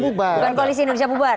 bukan koalisi indonesia bubar